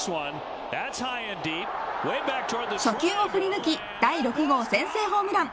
初球を振り抜き第６号先制ホームラン。